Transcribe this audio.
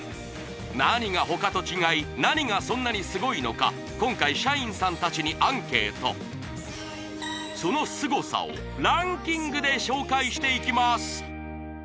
何が他と違い何がそんなにスゴいのか今回社員さん達にアンケートそのスゴさをランキングで紹介していきます